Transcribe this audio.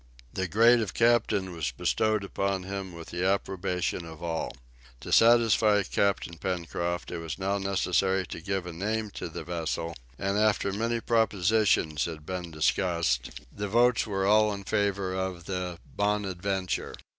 The grade of captain was bestowed upon him with the approbation of all. To satisfy Captain Pencroft, it was now necessary to give a name to the vessel, and, after many propositions had been discussed, the votes were all in favor of the "Bonadventure."